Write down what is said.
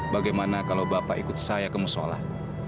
bagaimana kalau bapak ikut saya ke musola